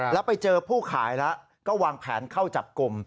แล้วไปเจอผู้ขายแล้วก็วางแผนเข้าจับกลุ่ม